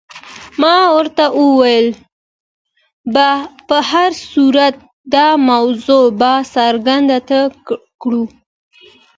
ما ورته وویل: په هر صورت دا موضوع به څنګ ته کړو.